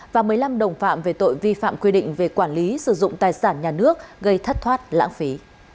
và một mươi năm đồng phạm về tội vi phạm quy định về quản lý sử dụng tài sản nhà nước gây thất thoát lãng phí